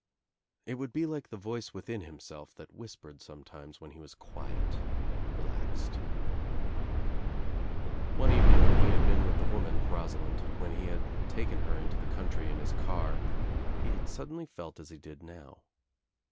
It would be like the voice within himself that whispered sometimes when he was quiet, relaxed. One evening when he had been with the woman, Rosalind, when he had taken her Into the country in his car, he had suddenly felt as he did now.